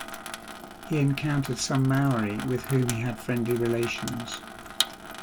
He encountered some Maori with whom he had friendly relations.